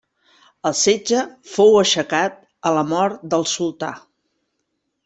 El setge fou aixecat a la mort del sultà.